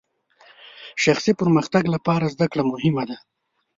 شخصي پرمختګ لپاره زدهکړه مهمه ده.